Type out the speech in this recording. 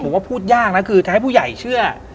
ว่าพูดยากนะคือจะให้ผู้ใหญ่เชื่อ